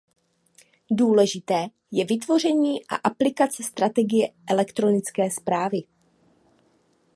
Důležité je vytvoření a aplikace strategie elektronické správy.